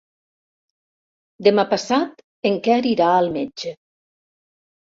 Demà passat en Quer irà al metge.